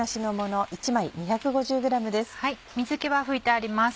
水気は拭いてあります。